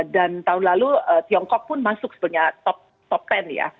dan tahun lalu tiongkok pun masuk sebenarnya top ten ya